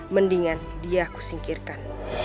mendingan dia aku singkirkan